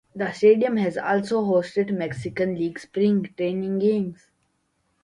The stadium has also hosted Mexican League spring training games.